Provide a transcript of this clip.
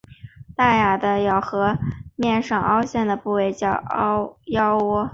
大牙的咬合面上凹陷的部位叫窝沟。